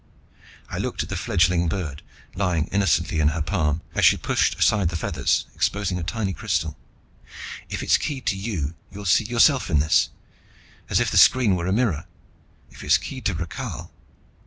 I looked at the fledgling bird, lying innocently in her palm, as she pushed aside the feathers, exposing a tiny crystal. "If it's keyed to you, you'll see yourself in this, as if the screen were a mirror. If it's keyed to Rakhal...."